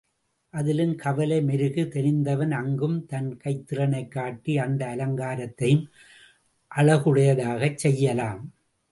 அதிலும் கலை மெருகு தெரிந்தவன் அங்கும் தன் கைத்திறனைக் காட்டி அந்த அலங்காரத்தையும் அழகுடையதாகச் செய்யலாம்.